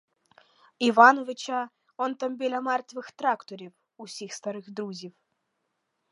Івановича он там, біля мертвих тракторів — усіх старих друзів.